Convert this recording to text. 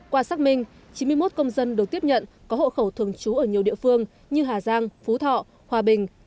qua xác minh chín mươi một công dân được tiếp nhận có hộ khẩu thường trú ở nhiều địa phương như hà giang phú thọ hòa bình